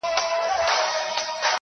• قاضي و ویله هیڅ پروا یې نسته,